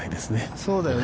そうだよね。